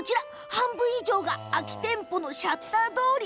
半分以上が空き店舗のシャッター通り。